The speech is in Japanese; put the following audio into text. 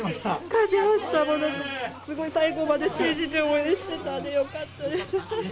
勝ちました、すごい最後まで信じて応援してたんでよかったです。